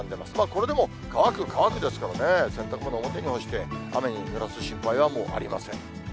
これでも、乾く、乾くですからね、洗濯物、表に干して、雨にぬらす心配はもうありません。